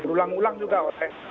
ulang ulang juga oleh